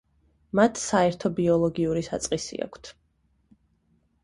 მათ საერთო ბიოლოგიური საწყისი აქვთ.